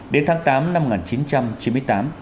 đến tháng tám năm một nghìn chín trăm chín mươi tám